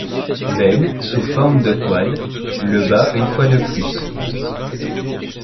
Ben, sous forme de Quad, le bat une fois de plus.